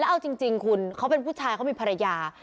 เอาจริงคุณเขาเป็นผู้ชายเขามีภรรยา